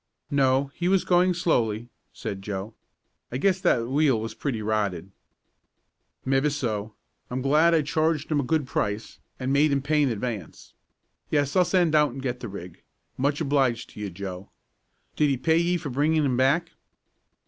"No, he was going slowly," said Joe. "I guess that wheel was pretty well rotted." "Mebby so. I'm glad I charged him a good price, and made him pay in advance. Yes, I'll send out and get the rig. Much obliged to you, Joe. Did he pay ye for bringin' him back?"